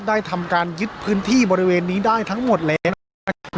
ได้ทำการยึดพื้นที่บริเวณนี้ได้ทั้งหมดแล้วนะครับ